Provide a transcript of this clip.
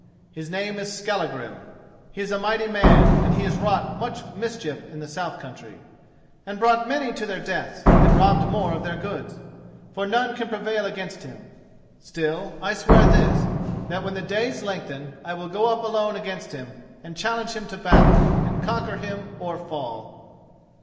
His name is Skallagrim; he is a mighty man and he has wrought much mischief in the south country, and brought many to their deaths and robbed more of their goods: for none can prevail against him. Still, I swear this, that, when the days lengthen, I will go up alone against him and challenge him to battle, and conquer him or fall."